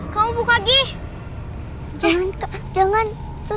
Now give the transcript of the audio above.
jangan kak jangan